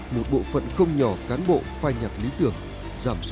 một bộ phận không nhỏ cán bộ phai nhặt lý tưởng